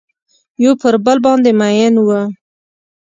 یو پر بل باندې میین وه